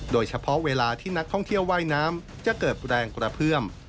เวลาที่นักท่องเที่ยวว่ายน้ำจะเกิดแรงกระเพื่อม